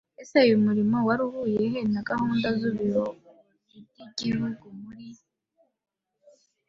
Ese uyu murimo wari uhuriye he na gahunda z’ubuyoozi bw’Igihugu muri